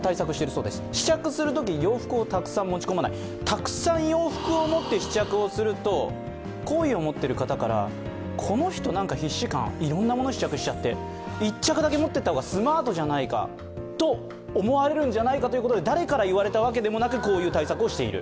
たくさん洋服を持って試着をすると、好意を持っている方からこの人、必死感いろんなもの試着しちゃって、１着だけ持っていった方がスマートじゃないかと思われるんじゃないかということで、誰から言われたわけでもなくこういう対策をしている。